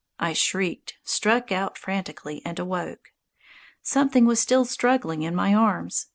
I shrieked, struck out frantically, and awoke. Something was still struggling in my arms.